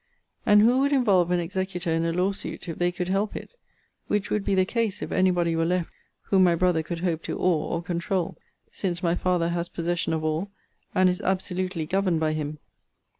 And who would involve an executor in a law suit, if they could help it? Which would be the case, if any body were left, whom my brother could hope to awe or controul; since my father has possession of all, and is absolutely governed by him.